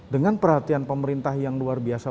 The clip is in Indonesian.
dengan perhatian pemerintah yang luar biasa